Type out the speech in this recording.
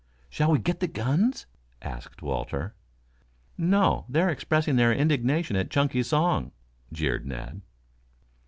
"Shall we get the guns?" asked Walter. "No, they're expressing their indignation at Chunky's song," jeered Ned.